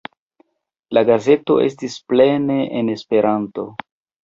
La gazeto estis plene en Esperanto.